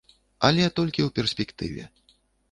Але толькі ў перспектыве.